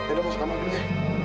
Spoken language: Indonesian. edo masuk kamar dulu ya